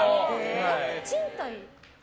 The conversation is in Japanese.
賃貸？